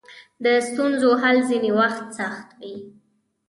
د ستونزو حل ځینې وخت سخت وي.